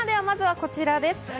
まずはこちらです。